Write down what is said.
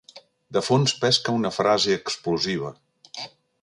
De fons pesca una frase explosiva.